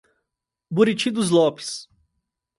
Buriti dos Lopes